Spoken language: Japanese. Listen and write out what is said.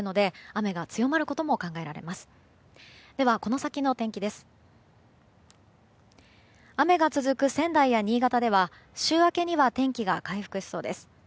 雨が続く仙台や新潟では週明けには天気が回復しそうです。